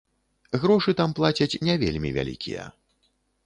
Грошы там плацяць не вельмі вялікія.